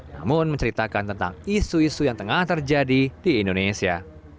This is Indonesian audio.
namun menceritakan tentang isu isu yang tengah terjadi di indonesia